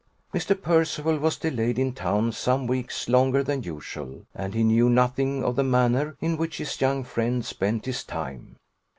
Mr. Percival was delayed in town some weeks longer than usual, and he knew nothing of the manner in which his young friend spent his time.